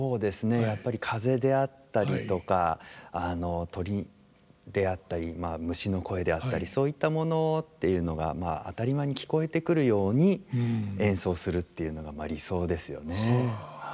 やっぱり風であったりとか鳥であったり虫の声であったりそういったものっていうのが当たり前に聞こえてくるように演奏するっていうのがまあ理想ですよね。